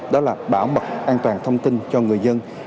đó là bảo mật an toàn thông tin cho người dân